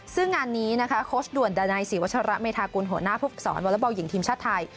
ซึ่งงานนี้นะคะโค้ชด่วนดานัยศรีวัชระเมธากุลหัวหน้าผู้ฝึกสอนวอเล็กบอลหญิงทีมชาติไทย